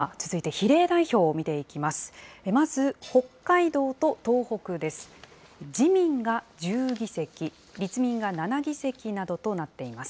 では続いて比例代表を見ていきます。